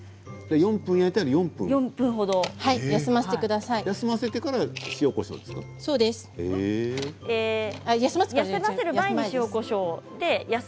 ４分焼いたら４分休ませてから塩そうです。